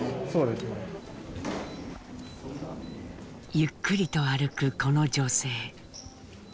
ゆっくりと歩くこの女性。